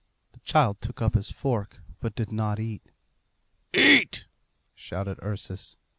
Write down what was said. The child took up his fork, but did not eat. "Eat," shouted Ursus.